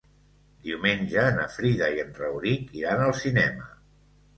Diumenge na Frida i en Rauric iran al cinema.